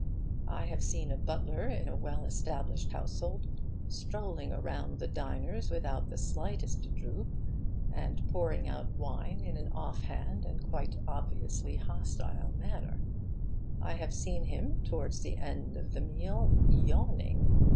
I have seen a butler in a well established household strolling around the diners without the slightest droop, and pouring out wine in an off hand and quite obviously hostile manner. I have seen him, towards the end of the meal, yawning.